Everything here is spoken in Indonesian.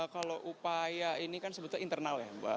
kalau upaya ini kan sebetulnya internal ya